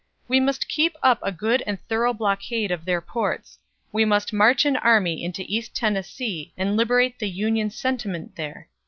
"'We must keep up a good and thorough blockade of their ports. We must march an army into East Tennessee and liberate the Union sentiment there.